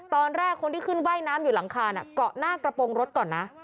ตอนแรกคนที่ขึ้นว่ายน้ำอยู่หลังคาเกาะหน้ากระโปรงรถก่อนนะ